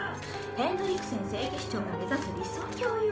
ヘンドリクセン聖騎士長が目指す理想郷よ。